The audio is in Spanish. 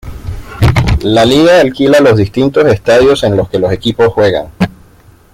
La liga alquila los distintos estadios en los que los equipos juegan.